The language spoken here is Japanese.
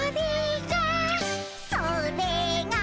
「それが」